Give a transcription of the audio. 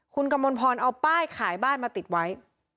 คุณกมลพรเอาป้ายขายบ้านมาติดไว้